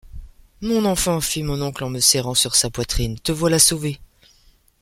Mon enfant, fit mon oncle en me serrant sur sa poitrine, te voilà sauvé !